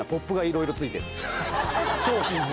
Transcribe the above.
商品に。